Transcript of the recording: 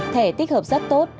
thẻ tích hợp rất tốt